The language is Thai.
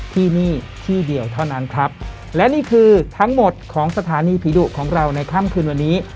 ที่นี่ที่เดียวเท่านั้นครับและนี่คือทั้งหมดของสถานีผีดุของเราในค่ำคืนวันนี้